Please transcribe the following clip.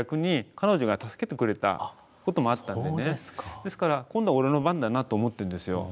だけどまあ今度は俺の番だなと思ってんですよ。